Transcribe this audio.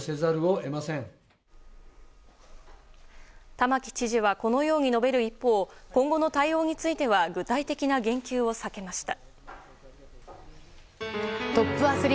玉城知事はこのように述べる一方今後の対応については具体的な言及を避けました。